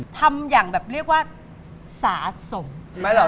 ทำอย่างแบบเรียกว่าสาสมจริง